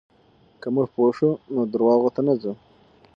که موږ پوه شو، نو درواغو ته نه ځو.